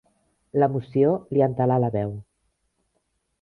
L'emoció li entelà la veu.